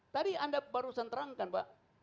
tadi anda barusan terangkan pak